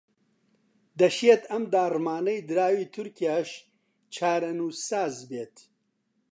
دەشێت ئەم داڕمانەی دراوی تورکیاش چارەنووسساز بێت